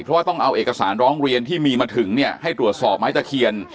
เพราะว่าต้องเอาเอกสารร้องเรียนที่มีมาถึงเนี่ยให้ตรวจสอบไม้ตะเคียน